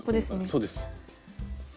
そうです。